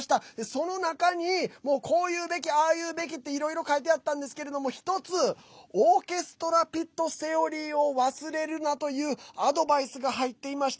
その中に、こう言うべきああ言うべきっていろいろ書いてあったんですが一つオーケストラピットセオリーを忘れるなというアドバイスが入っていました。